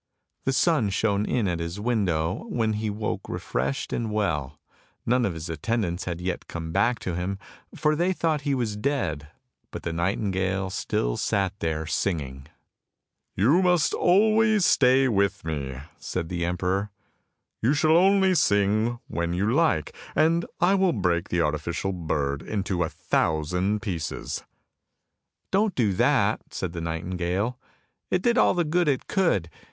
The sun shone in at his window, when he woke refreshed and well; none of his attendants had yet come back 136 ANDERSEN'S FAIRY TALES to him, for they thought he was dead, but the nightingale still sat there singing. 'You must always stay with me!" said the emperor. " You shall only sing when you like, and I will break the arti ficial bird into a thousand pieces! "" Don't do that! " said the nightingale, " it did all the good it could!